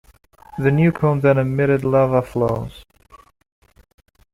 The new cone then emitted lava flows.